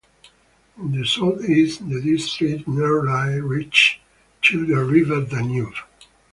In the south-east the district nearly reaches till the river Danube.